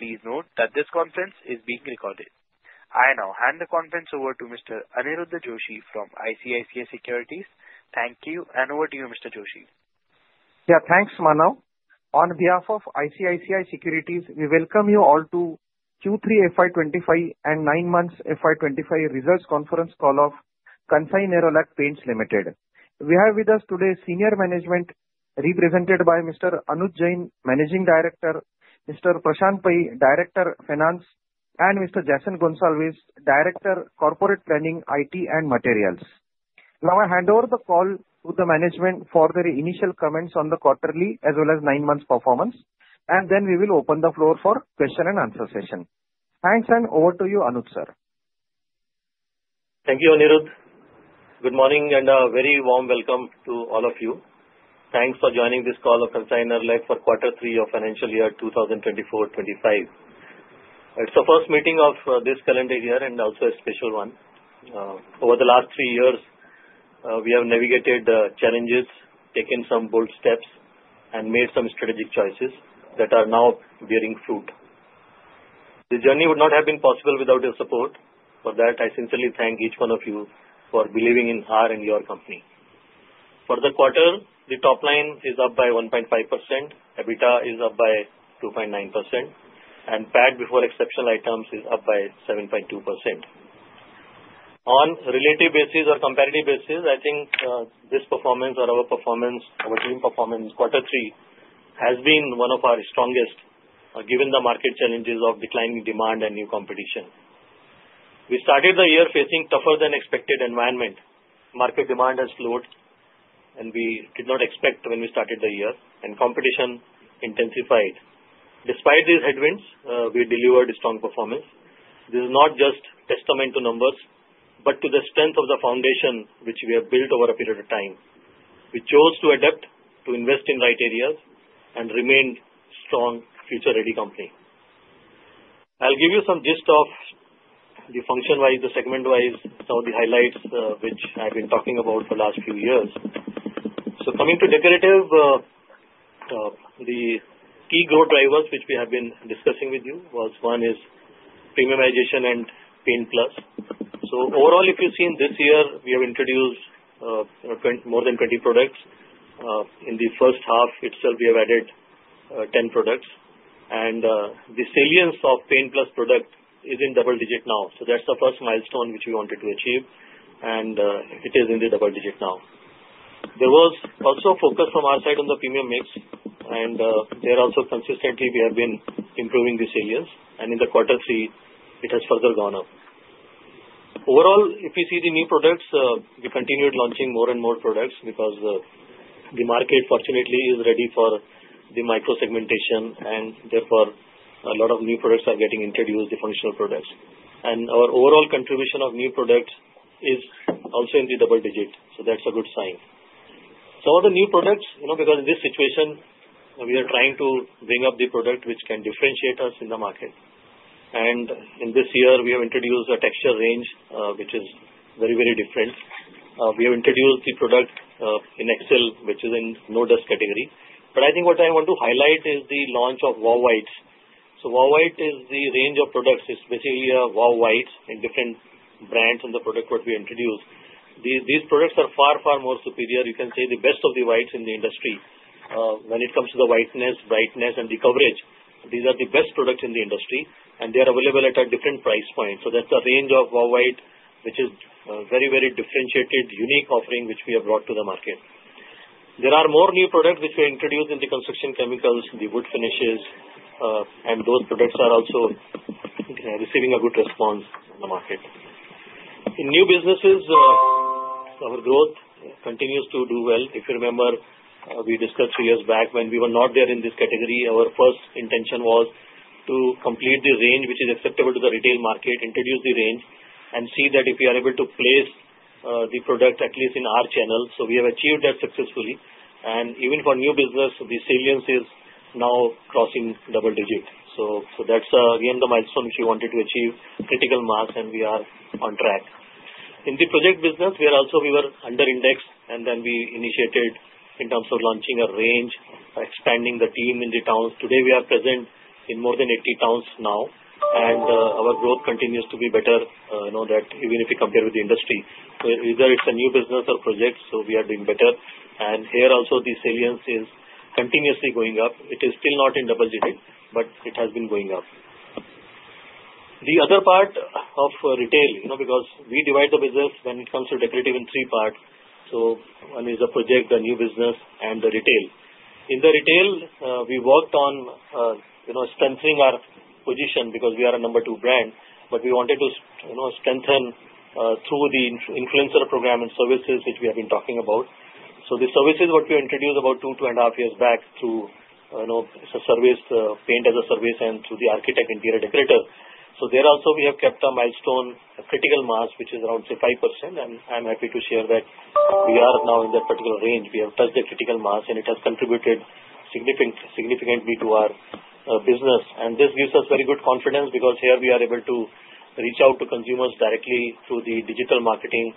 Please note that this conference is being recorded. I now hand the conference over to Mr. Aniruddha Joshi from ICICI Securities. Thank you, and over to you, Mr. Joshi. Yeah, thanks, Manav. On behalf of ICICI Securities, we welcome you all to Q3 FY25 and Nine Months FY25 Results Conference Call of Kansai Nerolac Paints Limited. We have with us today senior management represented by Mr. Anuj Jain, Managing Director, Mr. Prashant Pai, Director of Finance, and Mr. Jason Gonsalves, Director of Corporate Planning, IT and Materials. Now, I hand over the call to the management for their initial comments on the quarterly as well as nine months performance, and then we will open the floor for question and answer session. Thanks, and over to you, Anuj sir. Thank you, Aniruddha. Good morning and a very warm welcome to all of you. Thanks for joining this call of Kansai Nerolac for quarter three of financial year 2024-2025. It's the first meeting of this calendar year and also a special one. Over the last three years, we have navigated challenges, taken some bold steps, and made some strategic choices that are now bearing fruit. The journey would not have been possible without your support. For that, I sincerely thank each one of you for believing in our and your company. For the quarter, the top line is up by 1.5%, EBITDA is up by 2.9%, and PAT before exceptional items is up by 7.2%. On relative basis or comparative basis, I think this performance or our performance, our team performance in quarter three has been one of our strongest given the market challenges of declining demand and new competition. We started the year facing a tougher than expected environment. Market demand has slowed, and we did not expect when we started the year, and competition intensified. Despite these headwinds, we delivered a strong performance. This is not just a testament to numbers, but to the strength of the foundation which we have built over a period of time. We chose to adapt, to invest in right areas, and remain a strong, future-ready company. I'll give you some gist of the function-wise, the segment-wise, some of the highlights which I've been talking about the last few years. So, coming to Decorative, the key growth drivers which we have been discussing with you was one is premiumization and Paint+. So, overall, if you've seen this year, we have introduced more than 20 products. In the first half itself, we have added 10 products, and the salience of Paint+ product is in double digits now. So, that's the first milestone which we wanted to achieve, and it is in the double digits now. There was also a focus from our side on the premium mix, and there also consistently we have been improving the salience, and in the quarter three, it has further gone up. Overall, if you see the new products, we continued launching more and more products because the market, fortunately, is ready for the micro-segmentation, and therefore a lot of new products are getting introduced, the functional products, and our overall contribution of new products is also in the double digits, so that's a good sign. Some of the new products, you know, because in this situation, we are trying to bring up the product which can differentiate us in the market, and in this year, we have introduced a texture range which is very, very different. We have introduced the product in Excel, which is in no-dust category, but I think what I want to highlight is the launch of Wow Whites, so Wow Whites is the range of products. It's basically a Wow Whites in different brands and the product that we introduced. These products are far, far more superior. You can say the best of the whites in the industry. When it comes to the whiteness, brightness, and the coverage, these are the best products in the industry, and they are available at a different price point. That's the range of Wow Whites, which is a very, very differentiated, unique offering which we have brought to the market. There are more new products which we have introduced in the construction chemicals, the wood finishes, and those products are also receiving a good response in the market. In new businesses, our growth continues to do well. If you remember, we discussed three years back when we were not there in this category, our first intention was to complete the range which is acceptable to the retail market, introduce the range, and see that if we are able to place the product at least in our channel. We have achieved that successfully. And even for new business, the salience is now crossing double digits. That's again the milestone which we wanted to achieve, critical marks, and we are on track. In the project business, we are also under index, and then we initiated in terms of launching a range, expanding the team in the towns. Today, we are present in more than 80 towns now, and our growth continues to be better, you know, that even if you compare with the industry. So, either it's a new business or project, so we are doing better. And here also, the salience is continuously going up. It is still not in double digits, but it has been going up. The other part of retail, you know, because we divide the business when it comes to Decorative in three parts. So, one is the project, the new business, and the retail. In the retail, we worked on, you know, strengthening our position because we are a number two brand, but we wanted to, you know, strengthen through the influencer program and services which we have been talking about. So, the services that we introduced about two, two and a half years back through, you know, the service, Paint as a Service, and through the architect interior decorator. So, there also, we have kept a milestone, a critical mass, which is around, say, 5%, and I'm happy to share that we are now in that particular range. We have touched the critical mass, and it has contributed significantly to our business. This gives us very good confidence because here we are able to reach out to consumers directly through the digital marketing,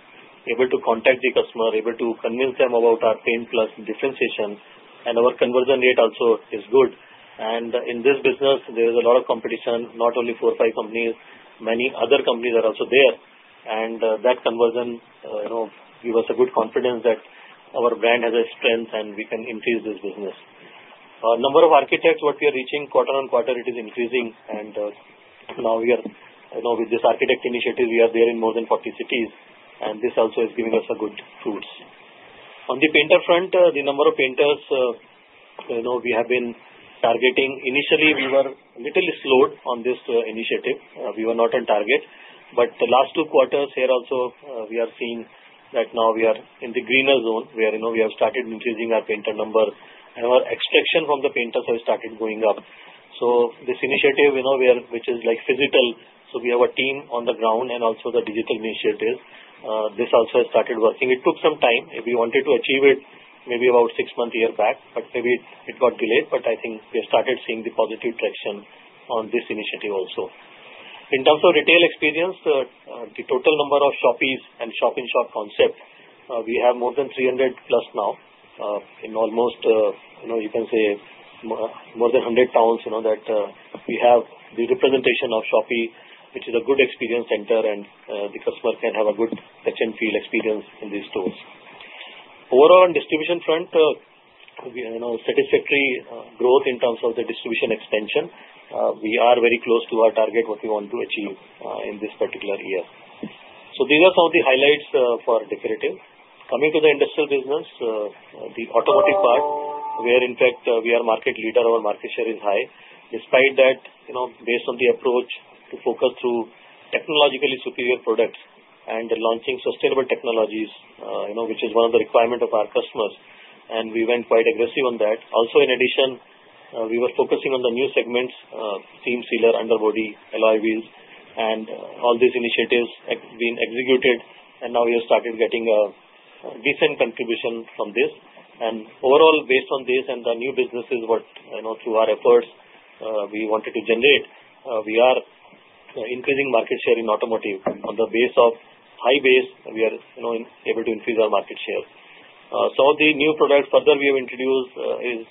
able to contact the customer, able to convince them about our Paint+ differentiation, and our conversion rate also is good. In this business, there is a lot of competition, not only four or five companies, many other companies are also there, and that conversion, you know, gives us a good confidence that our brand has a strength and we can increase this business. The number of architects that we are reaching quarter on quarter, it is increasing, and now we are, you know, with this architect initiative, we are there in more than 40 cities, and this also is giving us good fruits. On the painter front, the number of painters, you know, we have been targeting. Initially, we were a little slowed on this initiative. We were not on target, but the last two quarters here also, we are seeing that now we are in the greener zone where, you know, we have started increasing our painter number, and our extraction from the painters has started going up. So, this initiative, you know, which is like physical, so we have a team on the ground and also the digital initiative, this also has started working. It took some time. If we wanted to achieve it, maybe about six months a year back, but maybe it got delayed, but I think we have started seeing the positive traction on this initiative also. In terms of retail experience, the total number of Shoppes and Shop-in-Shop concept, we have more than 300 plus now in almost, you know, you can say more than 100 towns, you know, that we have the representation of Shoppe, which is a good experience center, and the customer can have a good touch-and-feel experience in these stores. Overall, on the distribution front, you know, satisfactory growth in terms of the distribution extension. We are very close to our target, what we want to achieve in this particular year. So, these are some of the highlights for Decorative. Coming to the Industrial business, the automotive part, where in fact we are market leader, our market share is high. Despite that, you know, based on the approach to focus through technologically superior products and launching sustainable technologies, you know, which is one of the requirements of our customers, and we went quite aggressive on that. Also, in addition, we were focusing on the new segments, seam sealer, underbody, alloy wheels, and all these initiatives have been executed, and now we have started getting a decent contribution from this. Overall, based on this and the new businesses, what, you know, through our efforts we wanted to generate, we are increasing market share in automotive on the base of high base, we are, you know, able to increase our market share. The new product further we have introduced is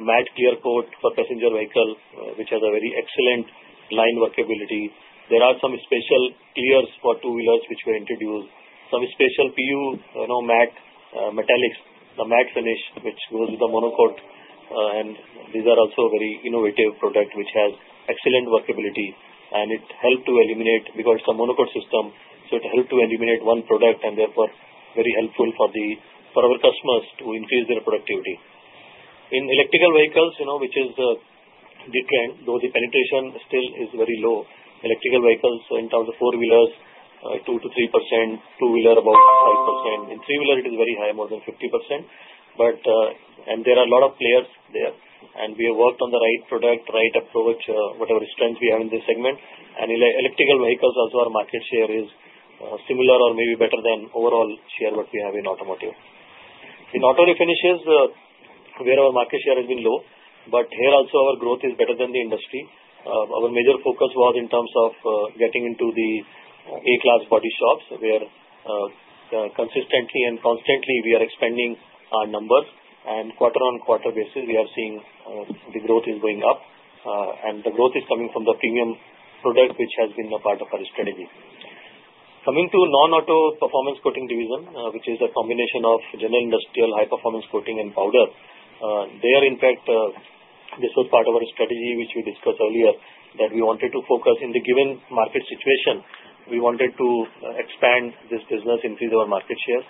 Matte Clear Coat for passenger vehicle, which has a very excellent line workability. There are some special clears for two-wheelers which were introduced, some special PU, you know, matte metallics, the matte finish which goes with the monocoat, and these are also very innovative products which have excellent workability, and it helped to eliminate because it's a monocoat system, so it helped to eliminate one product and therefore very helpful for our customers to increase their productivity. In electric vehicles, you know, which is the trend, though the penetration still is very low, electric vehicles in terms of four-wheelers, 2%-3%, two-wheeler about 5%. In three-wheeler, it is very high, more than 50%, but there are a lot of players there, and we have worked on the right product, right approach, whatever strength we have in this segment, and electric vehicles also our market share is similar or maybe better than overall share what we have in automotive. In auto refinishes, where our market share has been low, but here also our growth is better than the industry. Our major focus was in terms of getting into the A-class body shops where consistently and constantly we are expanding our number, and quarter on quarter basis we are seeing the growth is going up, and the growth is coming from the premium product which has been a part of our strategy. Coming to non-auto performance coating division, which is a combination of general industrial high performance coating and powder, there in fact, this was part of our strategy which we discussed earlier that we wanted to focus in the given market situation. We wanted to expand this business, increase our market shares,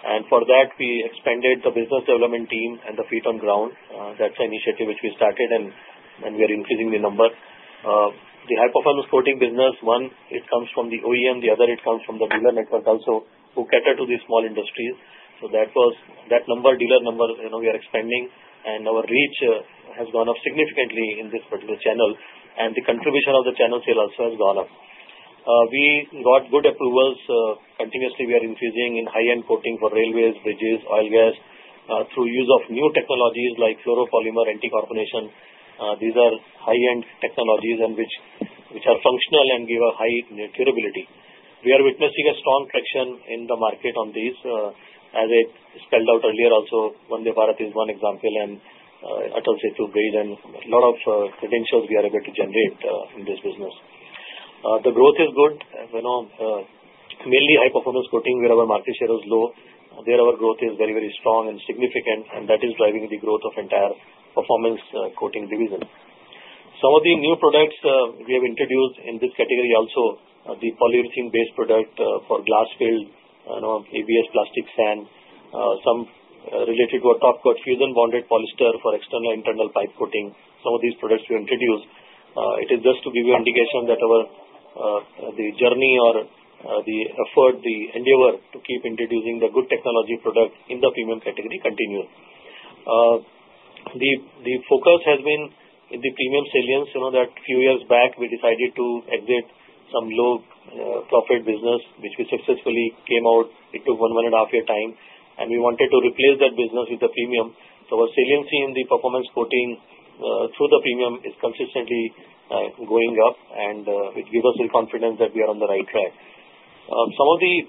and for that, we expanded the business development team and the feet on ground. That's an initiative which we started, and we are increasing the number. The high-performance coating business, one, it comes from the OEM, the other it comes from the dealer network also who cater to these small industries, so that was that number, dealer number, you know, we are expanding, and our reach has gone up significantly in this particular channel, and the contribution of the channel sale also has gone up. We got good approvals. Continuously, we are increasing in high-end coating for railways, bridges, oil and gas through use of new technologies like fluoropolymer anti-corrosion. These are high-end technologies which are functional and give a high durability. We are witnessing a strong traction in the market on these as I spelled out earlier also. Vande Bharat is one example, and Atal Setu Bridge, and a lot of credentials we are able to generate in this business. The growth is good, you know, mainly high performance coating where our market share is low. There our growth is very, very strong and significant, and that is driving the growth of entire performance coating division. Some of the new products we have introduced in this category also, the polyurethane-based product for glass-filled, you know, ABS plastics, and some related to a top coat fusion-bonded polyester for external and internal pipe coating. Some of these products we introduced, it is just to give you an indication that our journey or the effort, the endeavor to keep introducing the good technology product in the premium category continues. The focus has been in the premium salience, you know, that a few years back we decided to exit some low profit business which we successfully came out. It took one and a half years' time, and we wanted to replace that business with the premium. So our saliency in the performance coating through the premium is consistently going up, and it gives us the confidence that we are on the right track. Some of the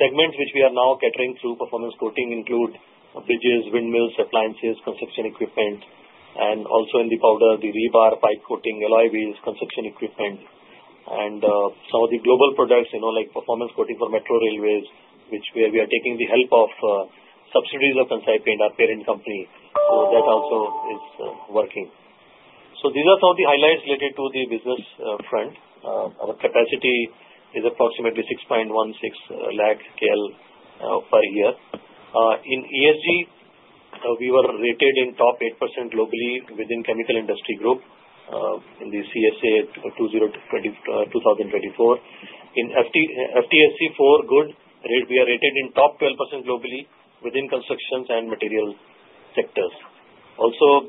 segments which we are now catering through performance coating include bridges, windmills, appliances, construction equipment, and also in the powder, the rebar pipe coating, alloy wheels, construction equipment, and some of the global products, you know, like performance coating for metro railways, where we are taking the help of subsidiaries of Kansai Paint, our parent company. So that also is working. So these are some of the highlights related to the business front. Our capacity is approximately 6.16 lakh KL per year. In ESG, we were rated in top 8% globally within chemical industry group in the CSA 2024. In FTSE4Good, we are rated in top 12% globally within construction and materials sectors. Also,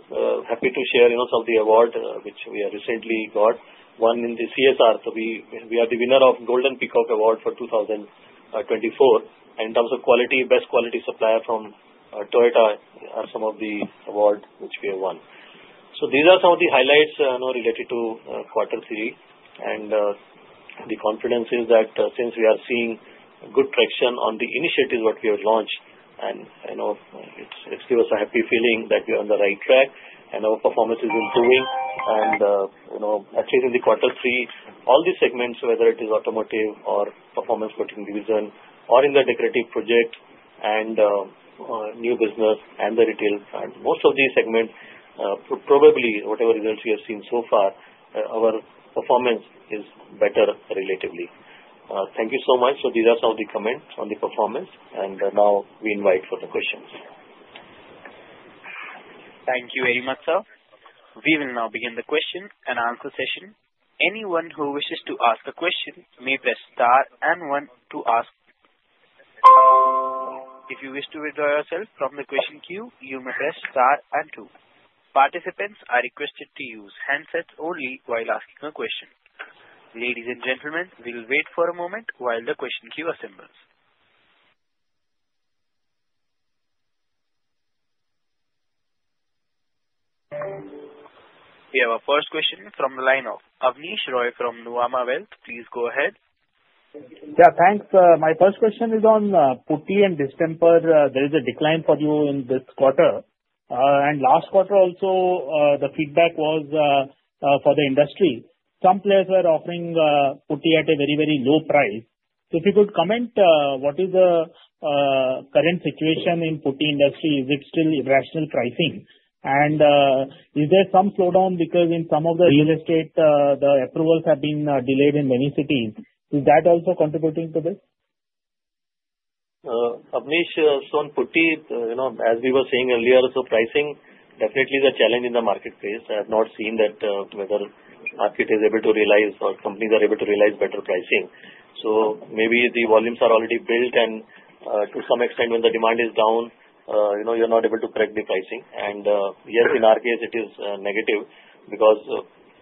happy to share, you know, some of the awards which we have recently got. One in the CSR, we are the winner of Golden Peacock Award for 2024, and in terms of quality, best quality supplier from Toyota are some of the awards which we have won. So these are some of the highlights, you know, related to quarter three, and the confidence is that since we are seeing good traction on the initiatives that we have launched, and you know, it gives us a happy feeling that we are on the right track, and our performance is improving, and you know, at least in the quarter three, all these segments, whether it is automotive or performance coating division or in the Decorative project and new business and the retail front, most of these segments, probably whatever results we have seen so far, our performance is better relatively. Thank you so much. So these are some of the comments on the performance, and now we invite for the questions. Thank you very much, sir. We will now begin the question and answer session. Anyone who wishes to ask a question may press star and one to ask. If you wish to withdraw yourself from the question queue, you may press star and two. Participants are requested to use handsets only while asking a question. Ladies and gentlemen, we will wait for a moment while the question queue assembles. We have a first question from the line of Abneesh Roy from Nuvama Wealth. Please go ahead. Yeah, thanks. My first question is on putty and distemper. There is a decline for you in this quarter, and last quarter also, the feedback was for the industry. Some players were offering putty at a very, very low price. If you could comment, what is the current situation in the putty industry? Is it still irrational pricing? And is there some slowdown because in some of the real estate, the approvals have been delayed in many cities? Is that also contributing to this? Abneesh, so on putty, you know, as we were saying earlier, so pricing definitely is a challenge in the marketplace. I have not seen that whether the market is able to realize or companies are able to realize better pricing, so maybe the volumes are already built, and to some extent, when the demand is down, you know, you're not able to correct the pricing, and yes, in our case, it is negative because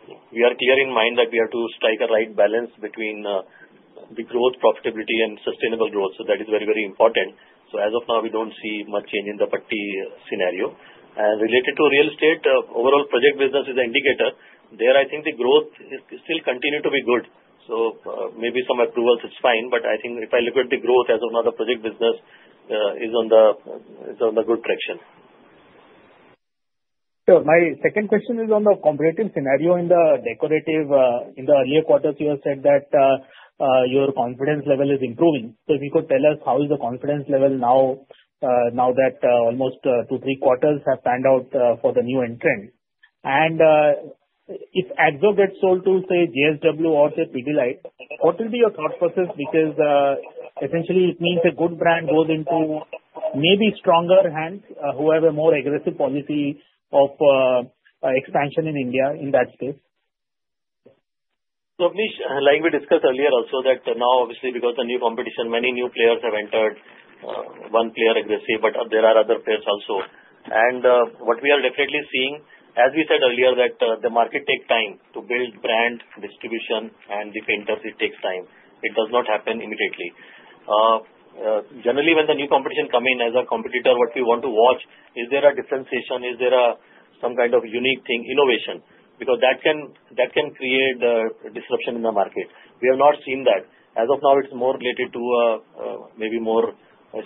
we are clear in mind that we have to strike a right balance between the growth, profitability, and sustainable growth, so that is very, very important, so as of now, we don't see much change in the putty scenario, and related to real estate, overall project business is an indicator. There, I think the growth is still continuing to be good. So maybe some approvals is fine, but I think if I look at the growth as another project business, it is on the good traction. Sure. My second question is on the comparative scenario in the Decorative. In the earlier quarters, you have said that your confidence level is improving. So if you could tell us how is the confidence level now that almost two, three quarters have panned out for the new entrant? And if Akzo gets sold to, say, JSW or, say, Pidilite, what will be your thought process? Because essentially, it means a good brand goes into maybe stronger hands, whoever more aggressive policy of expansion in India in that space. So Abneesh, like we discussed earlier also, that now obviously because of the new competition, many new players have entered, one player aggressive, but there are other players also. And what we are definitely seeing, as we said earlier, that the market takes time to build brand distribution, and the painters, it takes time. It does not happen immediately. Generally, when the new competition comes in as a competitor, what we want to watch is there a differentiation? Is there some kind of unique thing, innovation? Because that can create disruption in the market. We have not seen that. As of now, it's more related to maybe more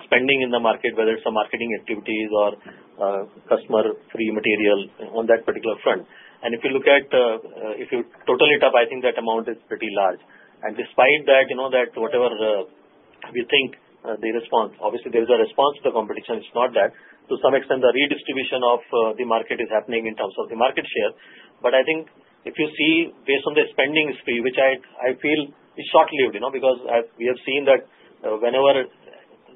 spending in the market, whether it's marketing activities or customer-free material on that particular front. And if you look at, if you total it up, I think that amount is pretty large. And despite that, you know, that whatever we think the response, obviously there is a response to the competition. It's not that. To some extent, the redistribution of the market is happening in terms of the market share. But I think if you see based on the spending spree, which I feel is short-lived, you know, because we have seen that whenever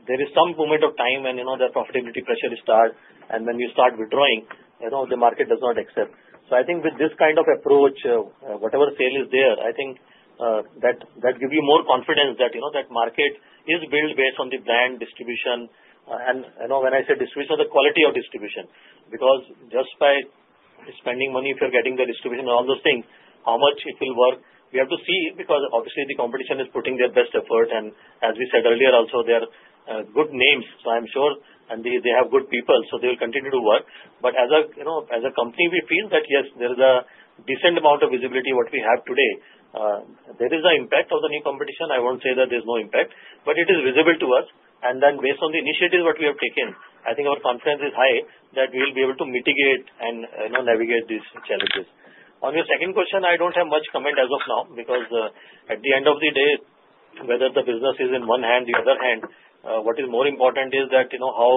there is some moment of time and, you know, the profitability pressure is started, and when you start withdrawing, you know, the market does not accept. So I think with this kind of approach, whatever sale is there, I think that gives you more confidence that, you know, that market is built based on the brand distribution. And, you know, when I say distribution, the quality of distribution, because just by spending money, if you're getting the distribution and all those things, how much it will work, we have to see because obviously the competition is putting their best effort. And as we said earlier, also they are good names, so I'm sure, and they have good people, so they will continue to work. But as a, you know, as a company, we feel that yes, there is a decent amount of visibility what we have today. There is an impact of the new competition. I won't say that there's no impact, but it is visible to us. And then based on the initiatives that we have taken, I think our confidence is high that we will be able to mitigate and, you know, navigate these challenges. On your second question, I don't have much comment as of now because at the end of the day, whether the business is in one hand, the other hand, what is more important is that, you know, how,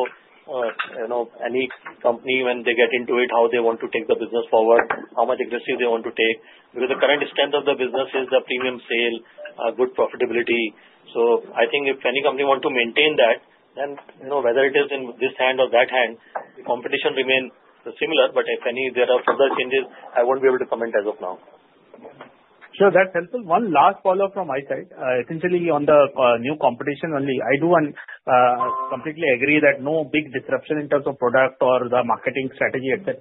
you know, any company when they get into it, how they want to take the business forward, how much aggressive they want to take. Because the current strength of the business is the premium sale, good profitability. So I think if any company wants to maintain that, then, you know, whether it is in this hand or that hand, the competition remains similar. But if any, there are further changes, I won't be able to comment as of now. Sure, that's helpful. One last follow-up from my side. Essentially, on the new competition only, I do completely agree that no big disruption in terms of product or the marketing strategy, etc.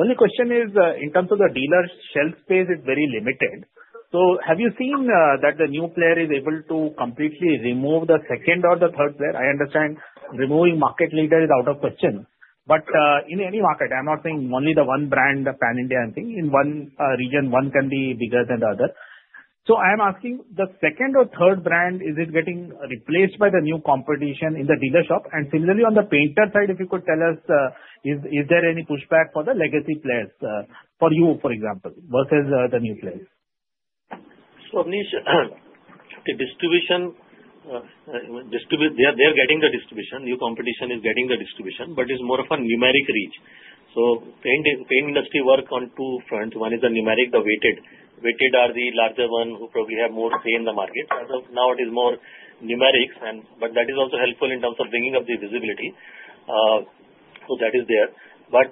Only question is in terms of the dealer shelf space, it's very limited. So have you seen that the new player is able to completely remove the second or the third player? I understand removing market leader is out of question, but in any market, I'm not saying only the one brand, the Pan India and thing in one region, one can be bigger than the other. So, I'm asking the second or third brand, is it getting replaced by the new competition in the dealer shop? And similarly on the painter side, if you could tell us, is there any pushback for the legacy players for you, for example, versus the new players? So, Abneesh, the distribution, they are getting the distribution. New competition is getting the distribution, but it's more of a numeric reach. So, paint industry works on two fronts. One is the numeric, the weighted. Weighted are the larger ones who probably have more say in the market. As of now, it is more numerics, but that is also helpful in terms of bringing up the visibility. So that is there. But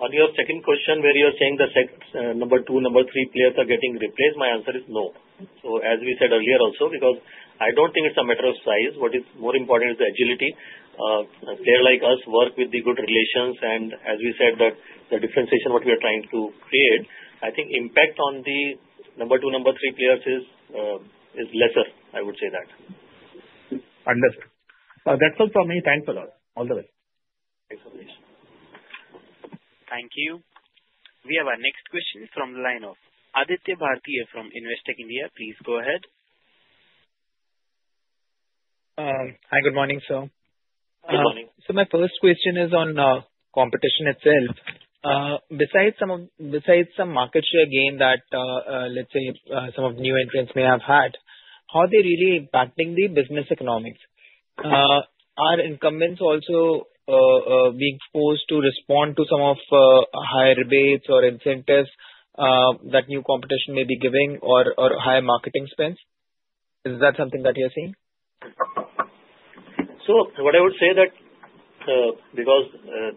on your second question, where you're saying the number two, number three players are getting replaced, my answer is no. So as we said earlier also, because I don't think it's a matter of size. What is more important is the agility. A player like us works with the good relations, and as we said, the differentiation what we are trying to create, I think impact on the number two, number three players is lesser. I would say that. Understood. That's all from me. Thanks a lot. All the best. Thanks, Abneesh. Thank you. We have our next question from the line of Aditya Bhartia from Investec India. Please go ahead. Hi, good morning, sir. Good morning. So my first question is on competition itself. Besides some market share gain that, let's say, some of the new entrants may have had, how are they really impacting the business economics? Are incumbents also being forced to respond to some of the higher rates or incentives that new competition may be giving or higher marketing spends? Is that something that you're seeing? So what I would say that because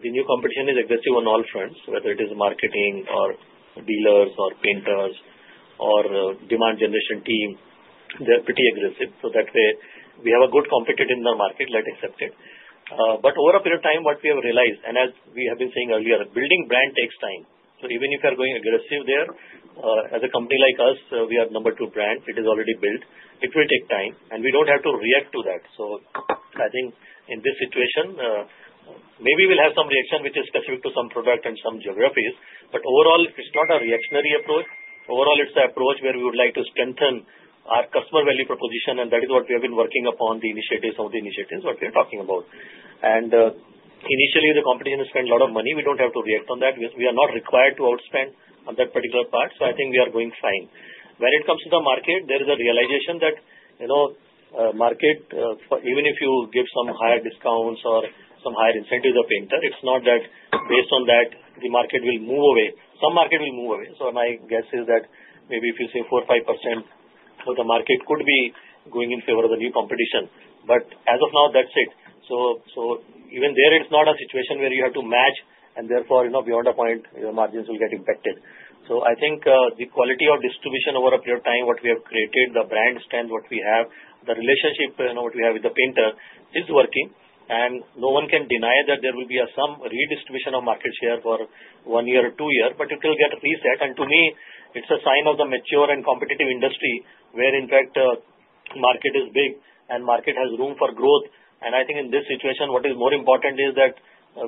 the new competition is aggressive on all fronts, whether it is marketing or dealers or painters or demand generation team, they're pretty aggressive. So that way we have a good competitor in the market, let's accept it. But over a period of time, what we have realized, and as we have been saying earlier, building brand takes time. So even if you're going aggressive there, as a company like us, we are number two brand. It is already built. It will take time, and we don't have to react to that. So I think in this situation, maybe we'll have some reaction which is specific to some product and some geographies. But overall, it's not a reactionary approach. Overall, it's the approach where we would like to strengthen our customer value proposition, and that is what we have been working upon, the initiatives, some of the initiatives what we are talking about. And initially, the competition has spent a lot of money. We don't have to react on that. We are not required to outspend on that particular part. So I think we are going fine. When it comes to the market, there is a realization that, you know, market, even if you give some higher discounts or some higher incentives to the painter, it's not that based on that the market will move away. Some market will move away. So my guess is that maybe if you say 4%, 5%, the market could be going in favor of the new competition. But as of now, that's it. So even there, it's not a situation where you have to match, and therefore, you know, beyond a point, your margins will get impacted. So I think the quality of distribution over a period of time, what we have created, the brand strength, what we have, the relationship, you know, what we have with the painter is working. And no one can deny that there will be some redistribution of market share for one year or two years, but it will get reset. And to me, it's a sign of the mature and competitive industry where, in fact, the market is big and market has room for growth. And I think in this situation, what is more important is that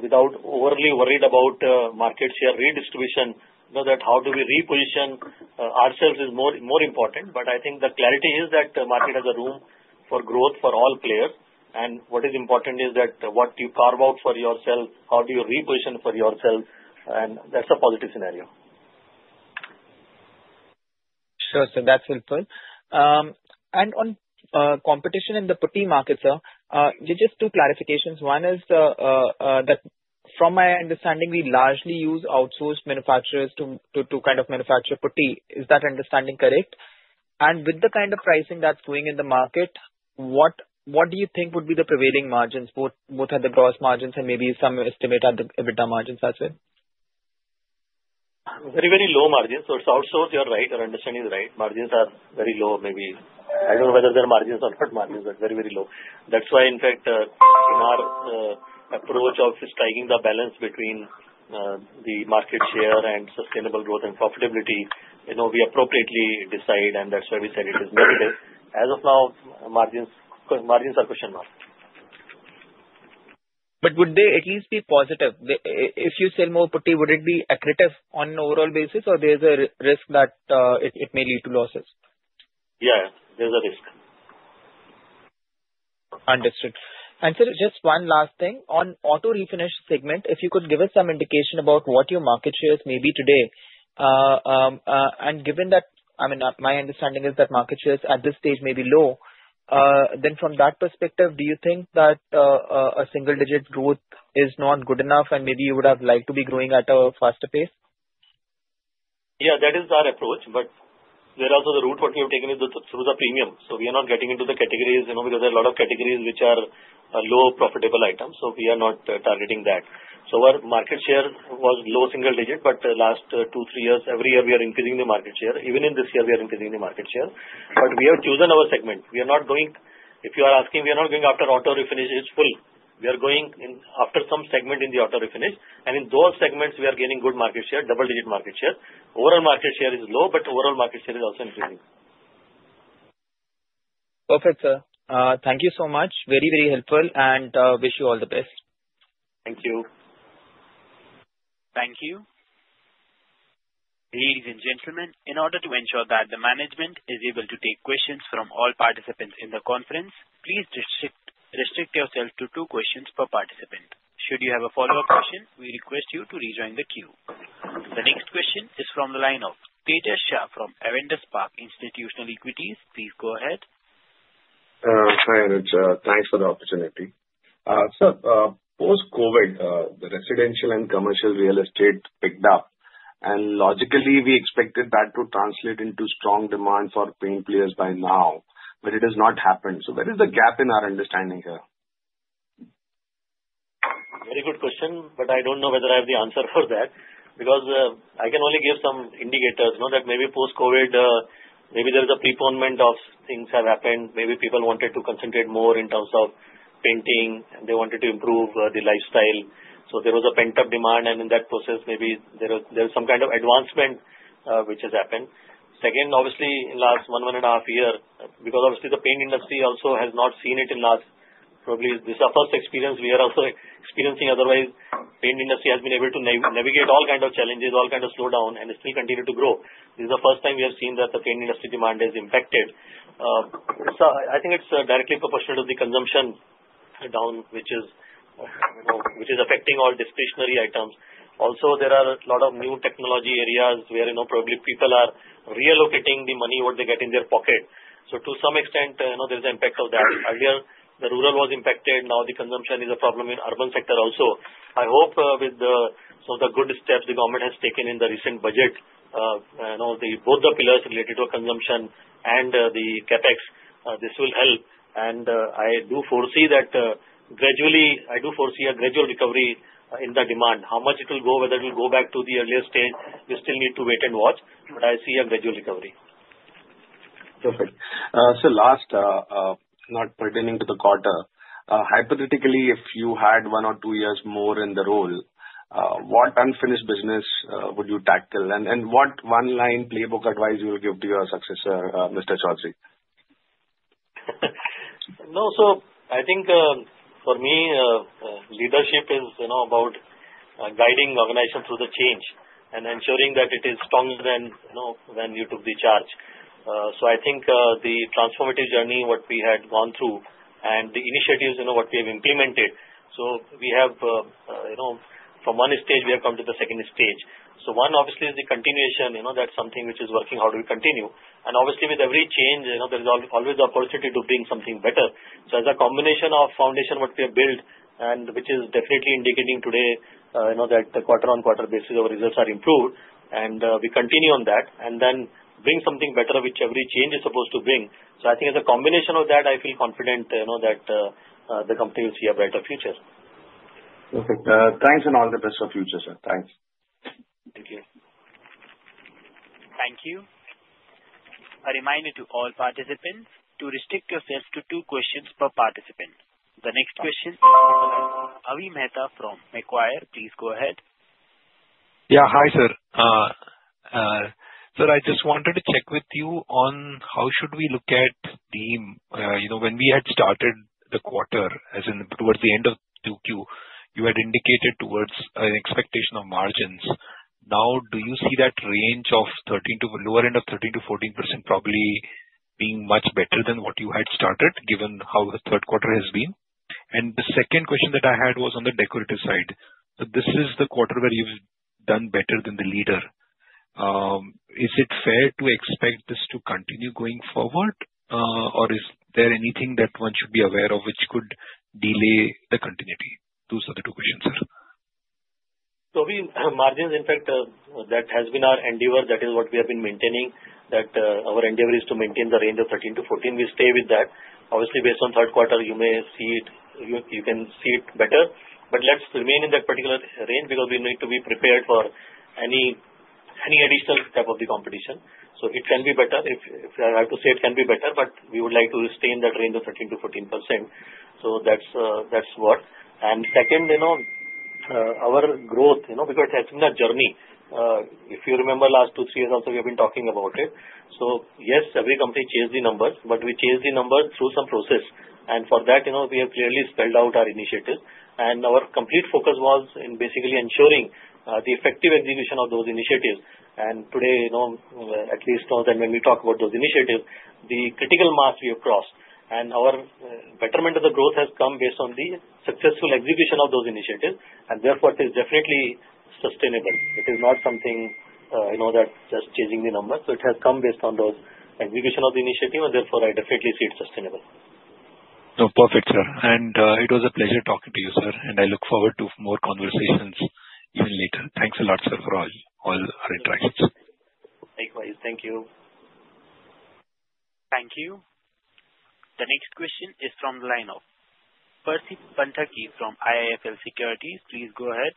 without overly worrying about market share redistribution, you know, that how do we reposition ourselves is more important. But I think the clarity is that the market has a room for growth for all players. And what is important is that what you carve out for yourself, how do you reposition for yourself, and that's a positive scenario. Sure, sir. That's helpful. And on competition in the putty market, sir, just two clarifications. One is that from my understanding, we largely use outsourced manufacturers to kind of manufacture putty. Is that understanding correct? And with the kind of pricing that's going in the market, what do you think would be the prevailing margins? Both at the gross margins and maybe some estimate at the EBITDA margins as well? Very, very low margins. So it's outsourced, you're right. Our understanding is right. Margins are very low. Maybe I don't know whether they're margins or not margins, but very, very low. That's why, in fact, in our approach of striking the balance between the market share and sustainable growth and profitability, you know, we appropriately decide, and that's why we said it is negative. As of now, margins are question mark. But would they at least be positive? If you sell more putty, would it be accretive on an overall basis, or there's a risk that it may lead to losses? Yeah, there's a risk. Understood. And sir, just one last thing. On auto refinish segment, if you could give us some indication about what your market shares may be today. And given that, I mean, my understanding is that market shares at this stage may be low, then from that perspective, do you think that a single-digit growth is not good enough and maybe you would have liked to be growing at a faster pace? Yeah, that is our approach. But there are also the route what we have taken is through the premium. So we are not getting into the categories, you know, because there are a lot of categories which are low profitable items. So we are not targeting that. So our market share was low single-digit, but the last two, three years, every year we are increasing the market share. Even in this year, we are increasing the market share. But we have chosen our segment. We are not going, if you are asking, we are not going after auto refinish. It's full. We are going after some segment in the auto refinish. And in those segments, we are gaining good market share, double-digit market share. Overall market share is low, but overall market share is also increasing. Perfect, sir. Thank you so much. Very, very helpful, and wish you all the best. Thank you. Thank you. Ladies and gentlemen, in order to ensure that the management is able to take questions from all participants in the conference, please restrict yourself to two questions per participant. Should you have a follow-up question, we request you to rejoin the queue. The next question is from the line of Tejas Shah from Avendus Spark Institutional Equities. Please go ahead. Hi, Anuj. Thanks for the opportunity. Sir, post-COVID, the residential and commercial real estate picked up, and logically, we expected that to translate into strong demand for paint players by now, but it has not happened. So where is the gap in our understanding here? Very good question, but I don't know whether I have the answer for that because I can only give some indicators, you know, that maybe post-COVID, maybe there is a preponderance of things have happened. Maybe people wanted to concentrate more in terms of painting, and they wanted to improve the lifestyle. So there was a pent-up demand, and in that process, maybe there is some kind of advancement which has happened. Second, obviously, in the last one, one and a half years, because obviously the paint industry also has not seen it in the last. Probably this is our first experience we are also experiencing. Otherwise, the paint industry has been able to navigate all kinds of challenges, all kinds of slowdown, and it still continued to grow. This is the first time we have seen that the paint industry demand is impacted. So I think it's directly proportional to the consumption down, which is, you know, which is affecting all discretionary items. Also, there are a lot of new technology areas where, you know, probably people are relocating the money what they get in their pocket. So to some extent, you know, there is an impact of that. Earlier, the rural was impacted. Now the consumption is a problem in the urban sector also. I hope with some of the good steps the government has taken in the recent budget, you know, both the pillars related to consumption and the CapEx; this will help, and I do foresee that gradually, I do foresee a gradual recovery in the demand. How much it will go, whether it will go back to the earlier stage, we still need to wait and watch, but I see a gradual recovery. Perfect. Sir, last, not pertaining to the quarter, hypothetically, if you had one or two years more in the role, what unfinished business would you tackle? What one-line playbook advice you will give to your successor, Mr. Chaudhari? No, so I think for me, leadership is, you know, about guiding the organization through the change and ensuring that it is stronger than, you know, when you took the charge. So I think the transformative journey what we had gone through and the initiatives, you know, what we have implemented. So we have, you know, from one stage, we have come to the second stage. So one, obviously, is the continuation, you know, that's something which is working. How do we continue? And obviously, with every change, you know, there is always the opportunity to bring something better. So as a combination of foundation what we have built, and which is definitely indicating today, you know, that the quarter-on-quarter basis of results are improved, and we continue on that and then bring something better which every change is supposed to bring. So I think as a combination of that, I feel confident, you know, that the company will see a brighter future. Perfect. Thanks, and all the best for the future, sir. Thanks. Thank you. Thank you. A reminder to all participants to restrict yourselves to two questions per participant. The next question is from Avi Mehta from Macquarie. Please go ahead. Yeah, hi, sir. Sir, I just wanted to check with you on how should we look at the, you know, when we had started the quarter, as in towards the end of Q2, you had indicated towards an expectation of margins. Now, do you see that range of 13 to the lower end of 13% -14% probably being much better than what you had started, given how the third quarter has been? And the second question that I had was on the Decorative side. So this is the quarter where you've done better than the leader. Is it fair to expect this to continue going forward, or is there anything that one should be aware of which could delay the continuity? Those are the two questions, sir. So margins, in fact, that has been our endeavor. That is what we have been maintaining, that our endeavor is to maintain the range of 13%-14%. We stay with that. Obviously, based on third quarter, you may see it, you can see it better, but let's remain in that particular range because we need to be prepared for any additional step of the competition. So it can be better. If I have to say, it can be better, but we would like to stay in that range of 13%-14%. So that's what. And second, you know, our growth, you know, because it's in the journey. If you remember last two, three years also, we have been talking about it. So yes, every company chased the numbers, but we chased the numbers through some process. And for that, you know, we have clearly spelled out our initiative. And our complete focus was in basically ensuring the effective execution of those initiatives. And today, you know, at least when we talk about those initiatives, the critical marks we have crossed. And our betterment of the growth has come based on the successful execution of those initiatives. And therefore, it is definitely sustainable. It is not something, you know, that just changing the numbers. So it has come based on those execution of the initiative, and therefore, I definitely see it sustainable. No, perfect, sir. And it was a pleasure talking to you, sir. And I look forward to more conversations even later. Thanks a lot, sir, for all our interactions. Likewise. Thank you. Thank you. The next question is from the line of Percy Panthaki from IIFL Securities. Please go ahead.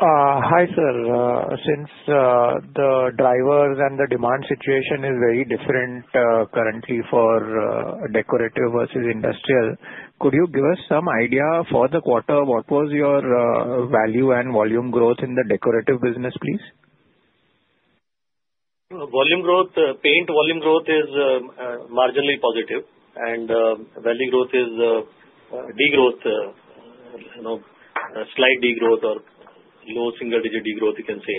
Hi, sir. Since the drivers and the demand situation is very different currently for Decorative versus industrial, could you give us some idea for the quarter? What was your value and volume growth in the Decorative business, please? Volume growth, paint volume growth is marginally positive, and value growth is degrowth, you know, slight degrowth or low single-digit degrowth, you can say.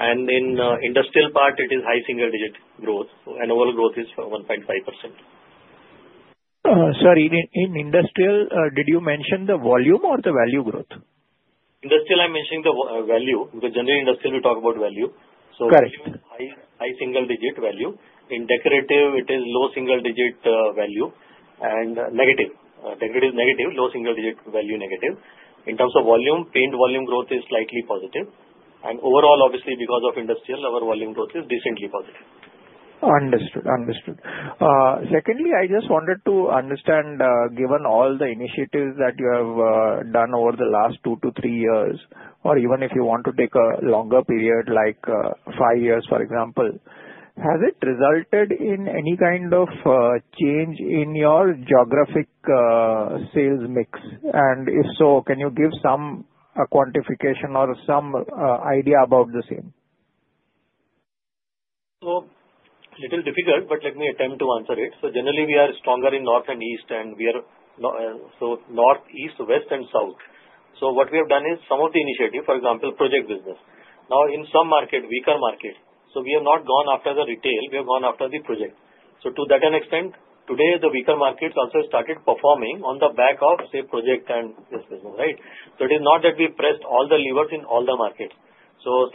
And in industrial part, it is high single-digit growth, and overall growth is 1.5%. Sorry, in industrial, did you mention the volume or the value growth? Industrial, I'm mentioning the value because generally in industrial, we talk about value. So high single-digit value. In Decorative, it is low single-digit value and negative. Decorative is negative, low single-digit value negative. In terms of volume, paint volume growth is slightly positive. And overall, obviously, because of industrial, our volume growth is decently positive. Understood, understood. Secondly, I just wanted to understand, given all the initiatives that you have done over the last two to three years, or even if you want to take a longer period like five years, for example, has it resulted in any kind of change in your geographic sales mix? And if so, can you give some quantification or some idea about the same? So a little difficult, but let me attempt to answer it. So generally, we are stronger in north and east, and we are so north, east, west, and south. So what we have done is some of the initiative, for example, project business. Now, in some market, weaker market. So we have not gone after the retail. We have gone after the project. So to that extent, today, the weaker markets also started performing on the back of, say, project and this business, right? So it is not that we pressed all the levers in all the markets. So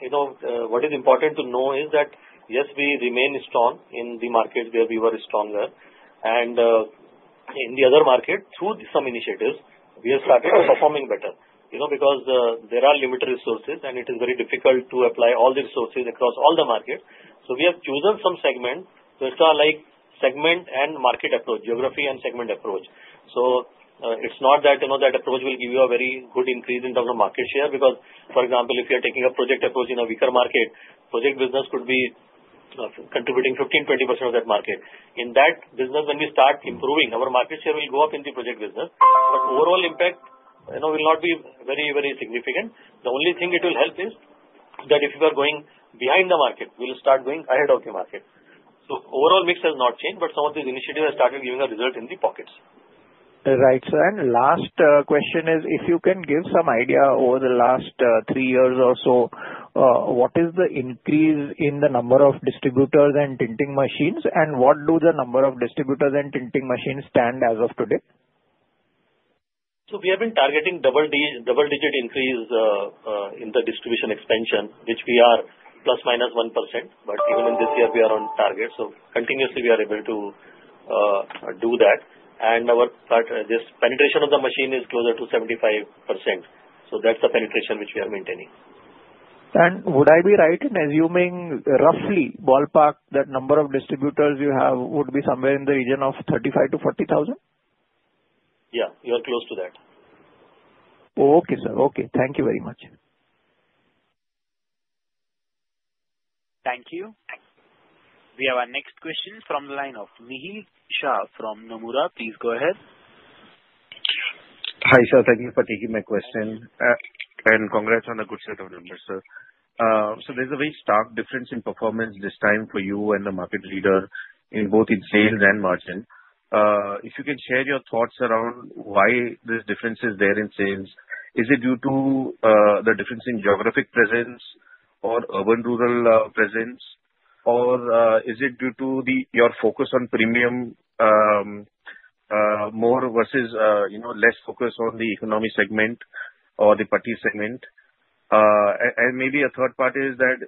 you know, what is important to know is that yes, we remain strong in the market where we were stronger. And in the other market, through some initiatives, we have started performing better, you know, because there are limited resources, and it is very difficult to apply all the resources across all the markets. So we have chosen some segments. So it's like segment and market approach, geography and segment approach. So it's not that, you know, that approach will give you a very good increase in terms of market share because, for example, if you are taking a project approach in a weaker market, project business could be contributing 15%-20% of that market. In that business, when we start improving, our market share will go up in the project business, but overall impact, you know, will not be very, very significant. The only thing it will help is that if you are going behind the market, we will start going ahead of the market. So overall mix has not changed, but some of these initiatives have started giving a result in the pockets. Right, sir, and last question is, if you can give some idea over the last three years or so, what is the increase in the number of distributors and tinting machines, and what do the number of distributors and tinting machines stand as of today? So we have been targeting double-digit increase in the distribution expansion, which we are plus minus 1%, but even in this year, we are on target, so continuously, we are able to do that. And our penetration of the machine is closer to 75%. So that's the penetration which we are maintaining. And would I be right in assuming roughly, ballpark, that number of distributors you have would be somewhere in the region of 35,000-40,000? Yeah, you are close to that. Okay, sir. Okay. Thank you very much. Thank you. We have our next question from the line of Mihir Shah from Nomura. Please go ahead. Hi, sir. Thank you for taking my question. And congrats on a good set of numbers, sir. So there's a very stark difference in performance this time for you and the market leader in both in sales and margin. If you can share your thoughts around why there's differences there in sales, is it due to the difference in geographic presence or urban-rural presence, or is it due to your focus on premium more versus, you know, less focus on the economy segment or the putty segment? And maybe a third part is that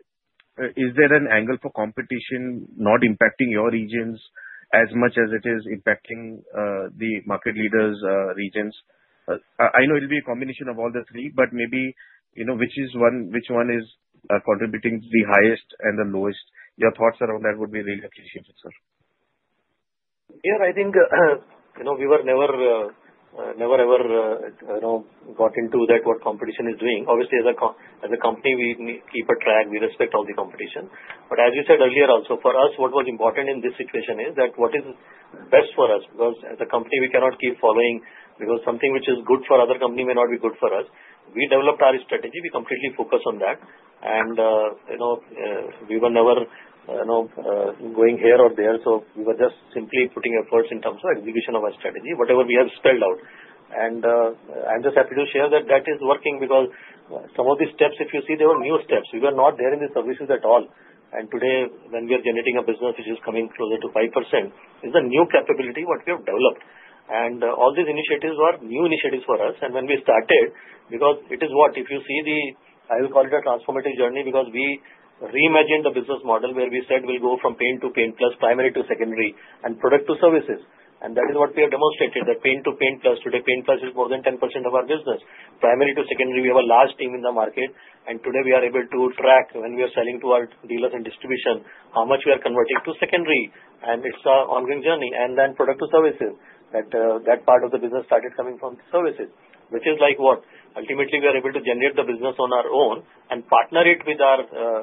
is there an angle for competition not impacting your regions as much as it is impacting the market leader's regions? I know it'll be a combination of all the three, but maybe, you know, which one is contributing the highest and the lowest? Your thoughts around that would be really appreciated, sir. Yeah, I think, you know, we were never, never ever, you know, got into that what competition is doing. Obviously, as a company, we keep a track. We respect all the competition. But as you said earlier, also for us, what was important in this situation is that what is best for us because as a company, we cannot keep following because something which is good for other company may not be good for us. We developed our strategy. We completely focus on that. And, you know, we were never, you know, going here or there. So we were just simply putting efforts in terms of execution of our strategy, whatever we have spelled out. And I'm just happy to share that that is working because some of these steps, if you see, they were new steps. We were not there in the services at all. And today, when we are generating a business, which is coming closer to 5%, it's the new capability what we have developed. And all these initiatives were new initiatives for us. And when we started, because it is, I will call it a transformative journey because we reimagined the business model where we said we'll go from paint to Paint+, primary to secondary, and product to services. And that is what we have demonstrated, that paint to Paint+. Today, Paint+ is more than 10% of our business. Primary to secondary, we have a large team in the market. And today, we are able to track when we are selling to our dealers and distribution how much we are converting to secondary. And it's an ongoing journey. And then, product to services, that part of the business started coming from services, which is like what ultimately we are able to generate the business on our own and partner it with our,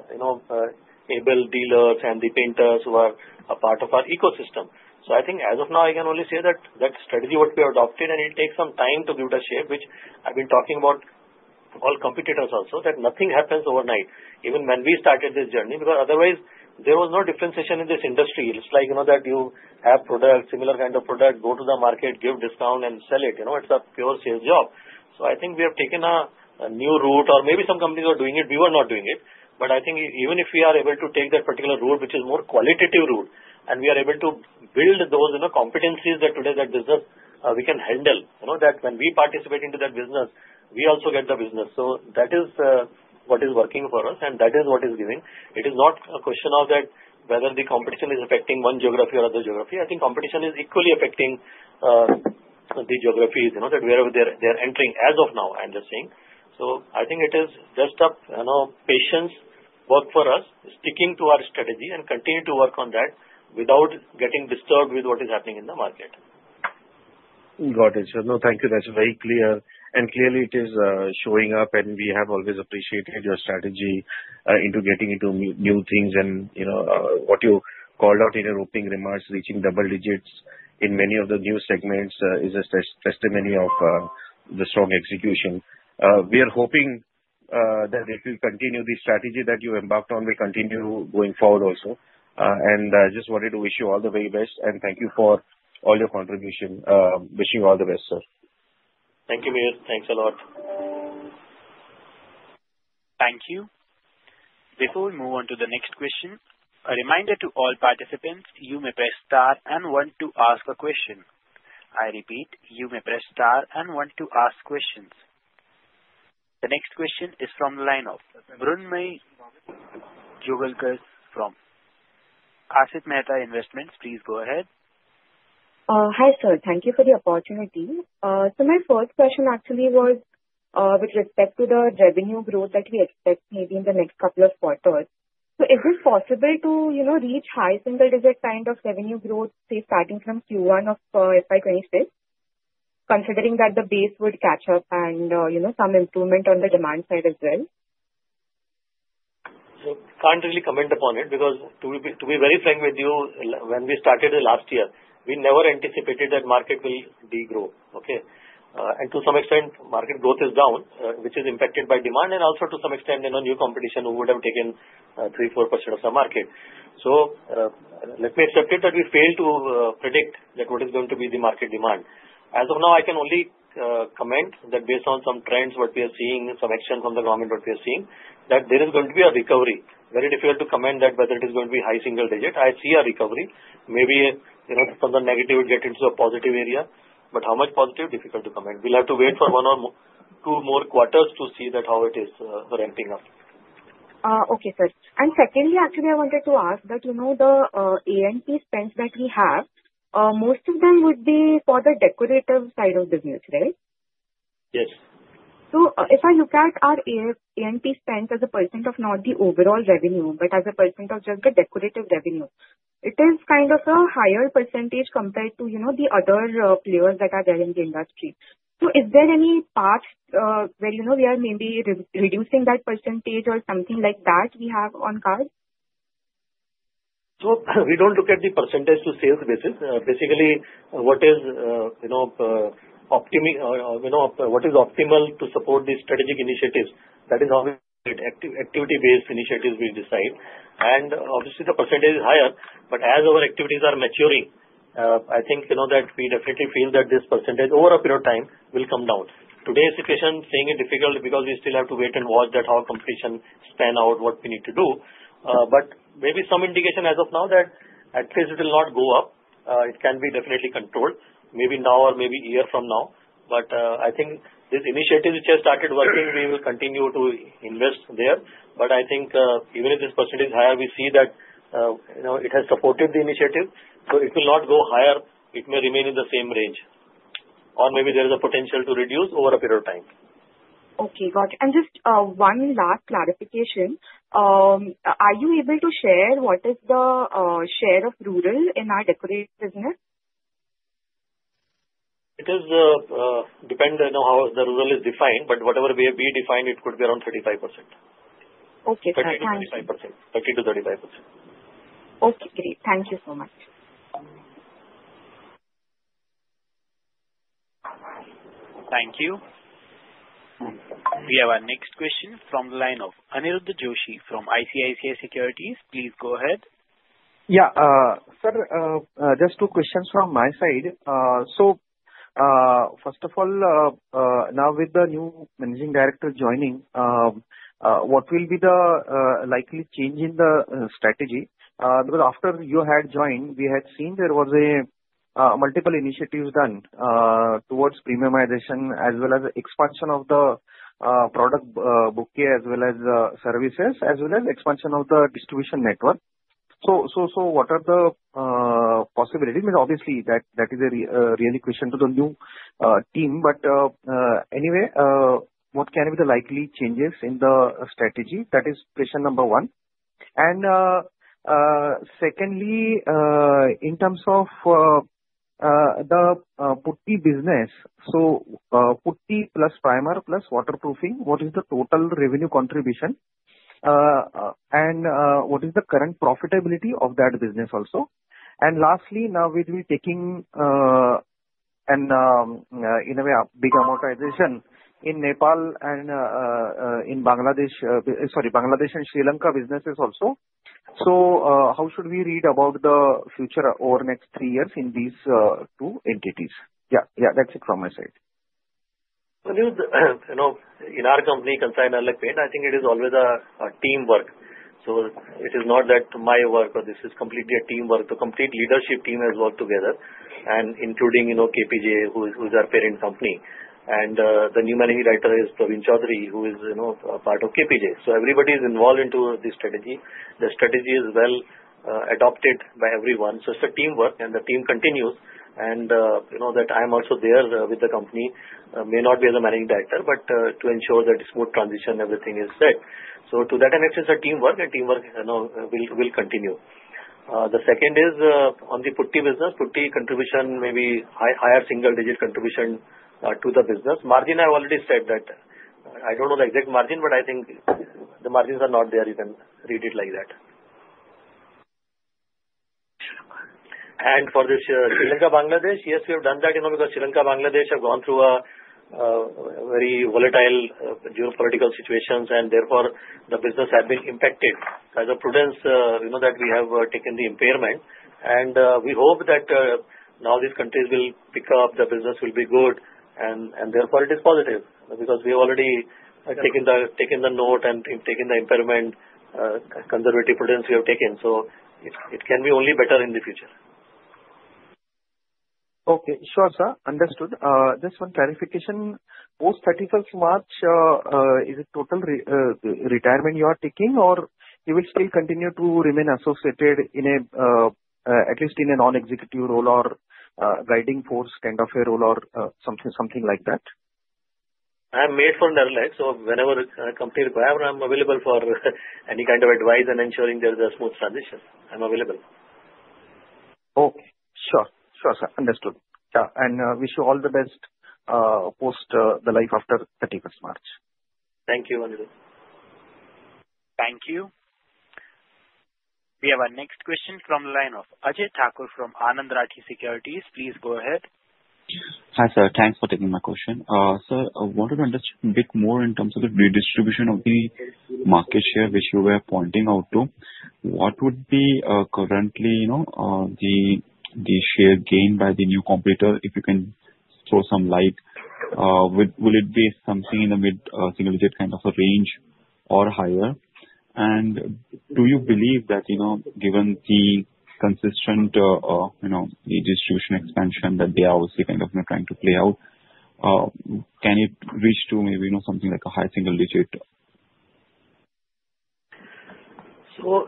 you know, able dealers and the painters who are a part of our ecosystem. So, I think as of now, I can only say that that strategy what we have adopted, and it takes some time to give it a shape, which I've been talking about all competitors also, that nothing happens overnight, even when we started this journey, because otherwise there was no differentiation in this industry. It's like, you know, that you have product, similar kind of product, go to the market, give discount and sell it. You know, it's a pure sales job. So, I think we have taken a new route, or maybe some companies are doing it. We were not doing it, but I think even if we are able to take that particular route, which is more qualitative route, and we are able to build those, you know, competencies that today that business we can handle, you know, that when we participate into that business, we also get the business. So that is what is working for us, and that is what is giving. It is not a question of that whether the competition is affecting one geography or other geography. I think competition is equally affecting the geographies, you know, that wherever they're entering as of now, I'm just saying. So I think it is just up, you know, patience, work for us, sticking to our strategy, and continue to work on that without getting disturbed with what is happening in the market. Got it, sir. No, thank you. That's very clear. Clearly, it is showing up, and we have always appreciated your strategy into getting into new things. You know, what you called out in your opening remarks, reaching double digits in many of the new segments is a testimony of the strong execution. We are hoping that if you continue the strategy that you embarked on, we continue going forward also. I just wanted to wish you all the very best, and thank you for all your contribution. Wishing you all the best, sir. Thank you, Mihir. Thanks a lot. Thank you. Before we move on to the next question, a reminder to all participants, you may press star one to ask a question. I repeat, you may press star one to ask questions. The next question is from the line of Mrunmayee Jogalekar from Asit C. Mehta Investment Intermediates Ltd. Thank you for the opportunity. So my first question actually was with respect to the revenue growth that we expect maybe in the next couple of quarters. So is it possible to, you know, reach high single-digit kind of revenue growth, say, starting from Q1 of FY 2026, considering that the base would catch up and, you know, some improvement on the demand side as well? So can't really comment upon it because to be very frank with you, when we started last year, we never anticipated that market will degrow, okay? And to some extent, market growth is down, which is impacted by demand, and also to some extent, you know, new competition who would have taken 3%, 4% of the market. So let me accept it that we failed to predict that what is going to be the market demand. As of now, I can only comment that based on some trends, what we are seeing, some action from the government, what we are seeing, that there is going to be a recovery. Very difficult to comment that whether it is going to be high single-digit. I see a recovery. Maybe, you know, from the negative, it would get into a positive area. But how much positive, difficult to comment. We'll have to wait for one or two more quarters to see that how it is ramping up. Okay, sir. And secondly, actually, I wanted to ask that, you know, the A&P spends that we have, most of them would be for the Decorative side of business, right? Yes. So if I look at our A&P spends as a % of not the overall revenue, but as a % of just the Decorative revenue, it is kind of a higher % compared to, you know, the other players that are there in the industry. So is there any path where, you know, we are maybe reducing that % or something like that we have on card? So we don't look at the % to sales basis. Basically, what is, you know, optimal, you know, what is optimal to support these strategic initiatives, that is always activity-based initiatives we decide. And obviously, the % is higher, but as our activities are maturing, I think, you know, that we definitely feel that this % over a period of time will come down. Today's situation is making it difficult because we still have to wait and watch how the competition pans out, what we need to do. But maybe some indication as of now that at least it will not go up. It can be definitely controlled, maybe now or maybe a year from now. But I think this initiative, which has started working, we will continue to invest there. But I think even if this percentage is higher, we see that, you know, it has supported the initiative. So it will not go higher. It may remain in the same range. Or maybe there is a potential to reduce over a period of time. Okay, got it. And just one last clarification. Are you able to share what is the share of rural in our Decorative business? It is depending, you know, how the rural is defined, but whatever we have defined, it could be around 35%. Okay, sir. 30%-35%. 30%-35%. Okay, great. Thank you so much. Thank you. We have our next question from the line of Aniruddha Joshi from ICICI Securities. Please go ahead. Yeah, sir, just two questions from my side. So first of all, now with the new managing director joining, what will be the likely change in the strategy? Because after you had joined, we had seen there were multiple initiatives done towards premiumization as well as expansion of the product book as well as services, as well as expansion of the distribution network. So what are the possibilities? I mean, obviously, that is a real question to the new team. But anyway, what can be the likely changes in the strategy? That is question number one. And secondly, in terms of the putty business, so putty plus primer plus waterproofing, what is the total revenue contribution? And what is the current profitability of that business also? And lastly, now we will be taking an, in a way, big amortization in Nepal and in Bangladesh, sorry, Bangladesh and Sri Lanka businesses also. So how should we read about the future over the next three years in these two entities? Yeah, yeah, that's it from my side. You know, in our company, Kansai Nerolac Paints, I think it is always a teamwork. So it is not that my work or this is completely a teamwork. The complete leadership team has worked together, including KPJ, who is our parent company. And the new managing director is Praveen Chaudhari, who is, you know, part of KPJ. So everybody is involved into the strategy. The strategy is well adopted by everyone. It's teamwork, and the team continues. And, you know, that I'm also there with the company may not be as a managing director, but to ensure that it's more transition, everything is set. To that connection, it's teamwork, and teamwork will continue. The second is on the putty business, putty contribution, maybe higher single-digit contribution to the business. Margin, I've already said that. I don't know the exact margin, but I think the margins are not there even read it like that. For the Sri Lanka-Bangladesh, yes, we have done that, you know, because Sri Lanka-Bangladesh have gone through a very volatile geopolitical situation, and therefore the business has been impacted. As a prudence, you know, that we have taken the impairment. We hope that now these countries will pick up, the business will be good, and therefore it is positive because we have already taken the note and taken the impairment, conservative prudence we have taken. So it can be only better in the future. Okay, sure, sir. Understood. Just one clarification. Post 31st March, is it total retirement you are taking, or you will still continue to remain associated in a, at least in a non-executive role or guiding force kind of a role or something like that? I'm made for Nerolac, so whenever a company requires, I'm available for any kind of advice and ensuring there is a smooth transition. I'm available. Okay, sure. Sure, sir. Understood. Yeah, and wish you all the best post-retirement life after 31st March. Thank you, Aniruddha. Thank you. We have our next question from the line of Ajay Thakur from Anand Rathi Securities. Please go ahead. Hi, sir. Thanks for taking my question. Sir, I wanted to understand a bit more in terms of the redistribution of the market share which you were pointing out to. What would be currently, you know, the share gain by the new competitor, if you can throw some light? Will it be something in the mid-single-digit kind of a range or higher? And do you believe that, you know, given the consistent, you know, redistribution expansion that they are obviously kind of trying to play out, can it reach to maybe, you know, something like a high single-digit? So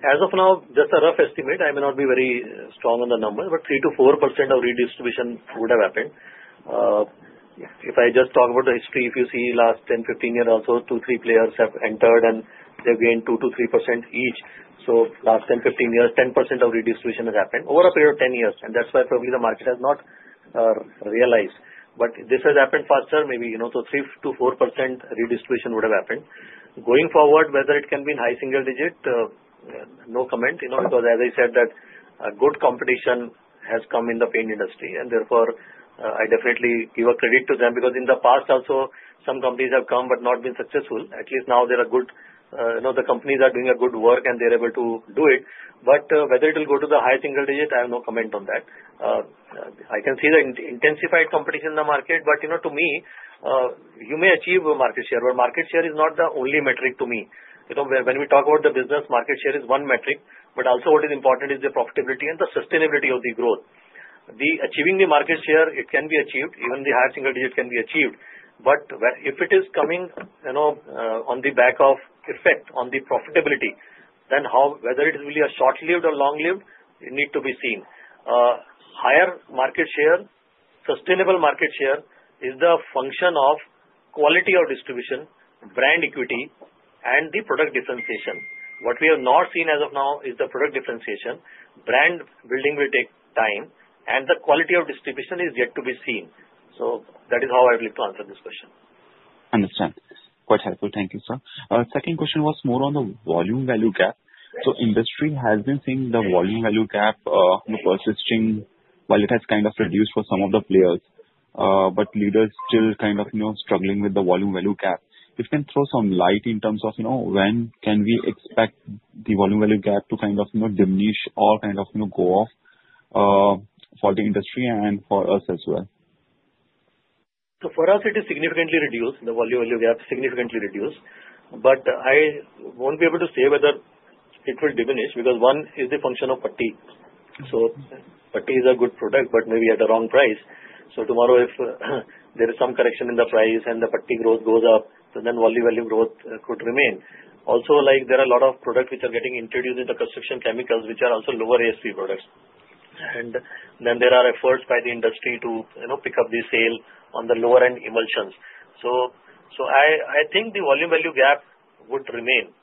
as of now, just a rough estimate. I may not be very strong on the number, but 3%-4% of redistribution would have happened. If I just talk about the history, if you see last 10-15 years, also two, three players have entered and they've gained 2%-3% each. So last 10-15 years, 10% of redistribution has happened over a period of 10 years. And that's why probably the market has not realized. But this has happened faster, maybe, you know, so 3%-4% redistribution would have happened. Going forward, whether it can be in high single-digit, no comment, you know, because as I said, that good competition has come in the paint industry. And therefore, I definitely give credit to them because in the past, also some companies have come but not been successful. At least now there are good, you know, the companies are doing good work and they're able to do it. But whether it will go to the high single-digit, I have no comment on that. I can see the intensified competition in the market, but, you know, to me, you may achieve market share, but market share is not the only metric to me. You know, when we talk about the business, market share is one metric, but also what is important is the profitability and the sustainability of the growth. The achieving the market share, it can be achieved. Even the high single-digit can be achieved. But if it is coming, you know, on the back of effect on the profitability, then whether it is really a short-lived or long-lived, it needs to be seen. Higher market share, sustainable market share is the function of quality of distribution, brand equity, and the product differentiation. What we have not seen as of now is the product differentiation. Brand building will take time, and the quality of distribution is yet to be seen. So that is how I would like to answer this question. Understood. Quite helpful. Thank you, sir. Second question was more on the volume-value gap. So industry has been seeing the volume-value gap persisting while it has kind of reduced for some of the players, but leaders still kind of, you know, struggling with the volume-value gap. If you can throw some light in terms of, you know, when can we expect the volume-value gap to kind of, you know, diminish or kind of, you know, go off for the industry and for us as well? So for us, it is significantly reduced. The volume-value gap is significantly reduced. But I won't be able to say whether it will diminish because one is the function of putty. So putty is a good product, but maybe at the wrong price. So tomorrow, if there is some correction in the price and the putty growth goes up, then volume-value growth could remain. Also, like there are a lot of products which are getting introduced in the construction chemicals, which are also lower ASP products. And then there are efforts by the industry to, you know, pick up the sale on the lower-end emulsions. So I think the volume-value gap would remain,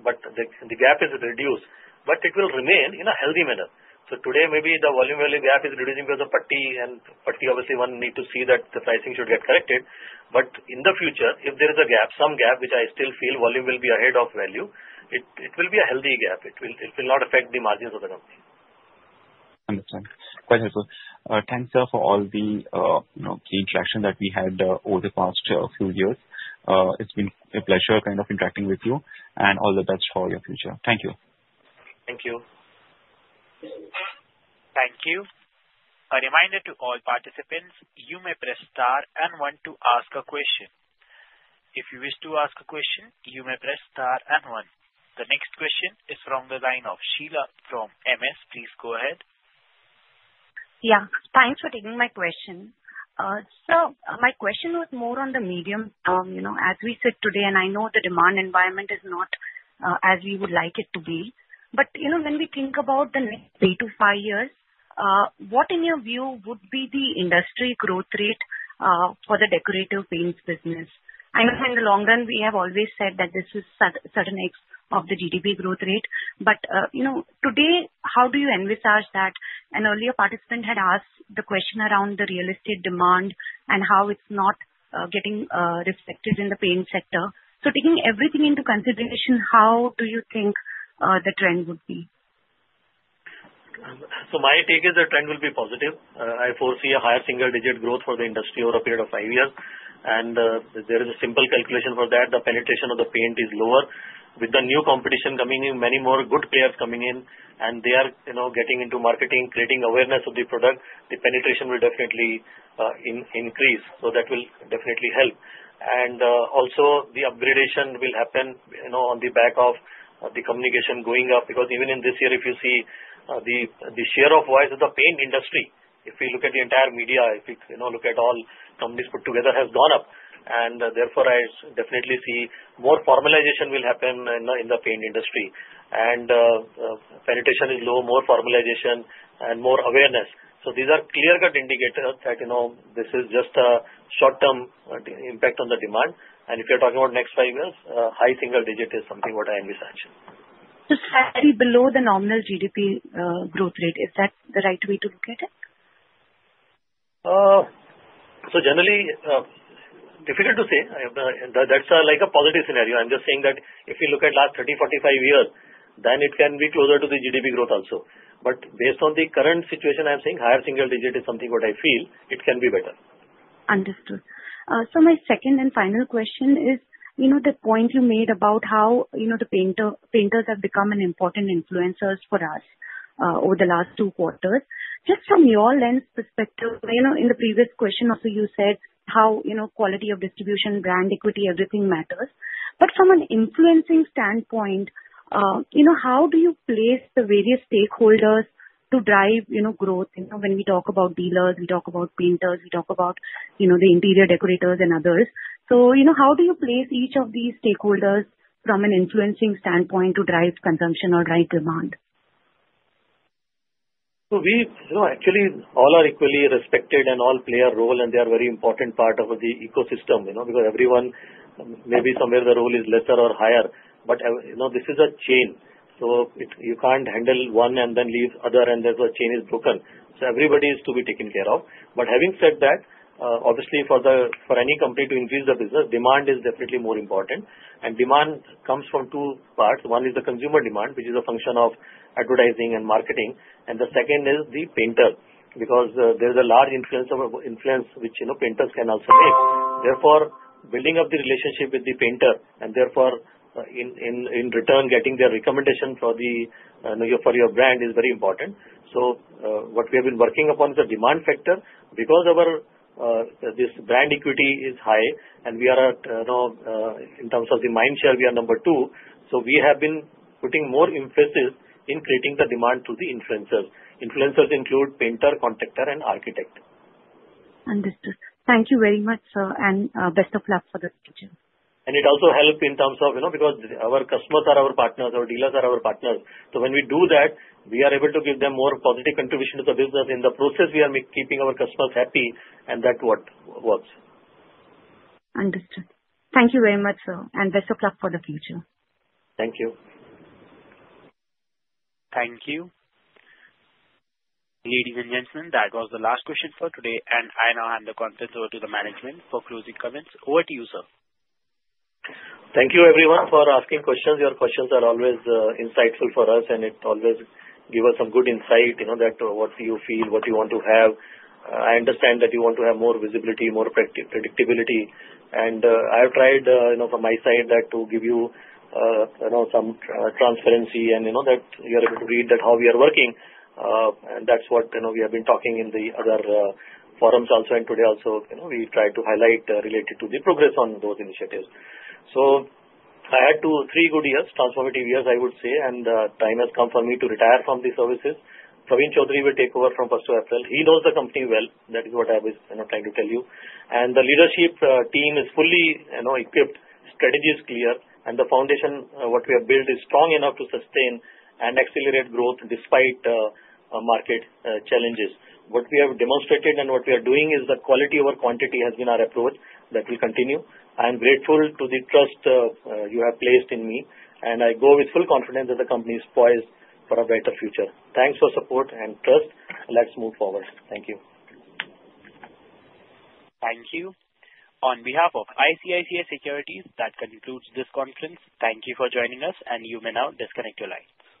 but the gap is reduced, but it will remain in a healthy manner. So today, maybe the volume-value gap is reducing because of putty, and putty, obviously, one needs to see that the pricing should get corrected. But in the future, if there is a gap, some gap, which I still feel volume will be ahead of value, it will be a healthy gap. It will not affect the margins of the company. Understood. Quite helpful. Thanks, sir, for all the, you know, the interaction that we had over the past few years. It's been a pleasure kind of interacting with you, and all the best for your future. Thank you. Thank you. Thank you. A reminder to all participants, you may press star and one to ask a question. If you wish to ask a question, you may press star and one. The next question is from the line of Sheela from MS. Please go ahead. Yeah. Thanks for taking my question. Sir, my question was more on the medium, you know, as we sit today, and I know the demand environment is not as we would like it to be. But, you know, when we think about the next three to five years, what in your view would be the industry growth rate for the Decorative paints business? I know in the long run, we have always said that this is certainly of the GDP growth rate. But, you know, today, how do you envisage that? An earlier participant had asked the question around the real estate demand and how it's not getting respected in the paint sector, so taking everything into consideration, how do you think the trend would be? My take is the trend will be positive. I foresee a higher single-digit growth for the industry over a period of five years, and there is a simple calculation for that. The penetration of the paint is lower. With the new competition coming in, many more good players coming in, and they are, you know, getting into marketing, creating awareness of the product, the penetration will definitely increase, so that will definitely help. Also, the upgradation will happen, you know, on the back of the communication going up because even in this year, if you see the share of voice of the paint industry, if you look at the entire media, if you look at all companies put together, has gone up. Therefore, I definitely see more formalization will happen in the paint industry. Penetration is low, more formalization, and more awareness. These are clear-cut indicators that, you know, this is just a short-term impact on the demand. If you're talking about next five years, high single-digit is something what I envisage. Just slightly below the nominal GDP growth rate. Is that the right way to look at it? Generally, difficult to say. That's like a positive scenario. I'm just saying that if you look at the last 30, 45 years, then it can be closer to the GDP growth also. But based on the current situation, I'm saying higher single-digit is something what I feel it can be better. Understood. So my second and final question is, you know, the point you made about how, you know, the painters have become important influencers for us over the last two quarters. Just from your lens perspective, you know, in the previous question, also you said how, you know, quality of distribution, brand equity, everything matters. But from an influencing standpoint, you know, how do you place the various stakeholders to drive, you know, growth? You know, when we talk about dealers, we talk about painters, we talk about, you know, the interior decorators and others. So, you know, how do you place each of these stakeholders from an influencing standpoint to drive consumption or drive demand? So we, you know, actually all are equally respected and all play a role, and they are a very important part of the ecosystem, you know, because everyone, maybe somewhere the role is lesser or higher. But, you know, this is a chain. So you can't handle one and then leave the other, and then the chain is broken. So everybody is to be taken care of. But having said that, obviously for any company to increase the business, demand is definitely more important. And demand comes from two parts. One is the consumer demand, which is a function of advertising and marketing. And the second is the painter because there is a large influence which, you know, painters can also make. Therefore, building up the relationship with the painter and therefore, in return, getting their recommendation for your brand is very important. So what we have been working upon is the demand factor because this brand equity is high, and we are, you know, in terms of the mind share, we are number two. So we have been putting more emphasis in creating the demand through the influencers. Influencers include painter, contractor, and architect. Understood. Thank you very much, sir, and best of luck for the future. And it also helps in terms of, you know, because our customers are our partners, our dealers are our partners. So when we do that, we are able to give them more positive contribution to the business. In the process, we are keeping our customers happy, and that's what works. Understood. Thank you very much, sir, and best of luck for the future. Thank you. Thank you. Ladies and gentlemen, that was the last question for today, and I now hand the conference over to the management for closing comments. Over to you, sir. Thank you, everyone, for asking questions. Your questions are always insightful for us, and it always gives us some good insight, you know, that what you feel, what you want to have. I understand that you want to have more visibility, more predictability, and I have tried, you know, from my side, to give you, you know, some transparency and, you know, that you're able to read that how we are working, and that's what, you know, we have been talking in the other forums also, and today also, you know, we tried to highlight related to the progress on those initiatives. So I had two three good years, transformative years, I would say, and the time has come for me to retire from the services. Praveen Chaudhari will take over from 1st of April. He knows the company well. That is what I was, you know, trying to tell you. And the leadership team is fully, you know, equipped. Strategy is clear, and the foundation what we have built is strong enough to sustain and accelerate growth despite market challenges. What we have demonstrated and what we are doing is the quality over quantity has been our approach that will continue. I am grateful to the trust you have placed in me, and I go with full confidence that the company is poised for a better future. Thanks for support and trust. Let's move forward. Thank you. Thank you. On behalf of ICICI Securities, that concludes this conference. Thank you for joining us, and you may now disconnect your lines.